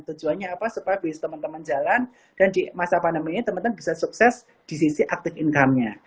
tujuannya apa supaya bisnis teman teman jalan dan di masa pandemi ini teman teman bisa sukses di sisi active income nya